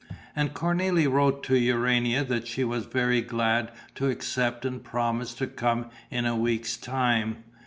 And Cornélie wrote to Urania that she was very glad to accept and promised to come in a week's time.